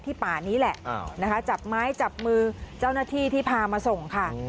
ป่านี้แหละนะคะจับไม้จับมือเจ้าหน้าที่ที่พามาส่งค่ะ